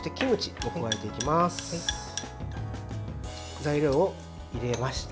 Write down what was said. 材料を入れました。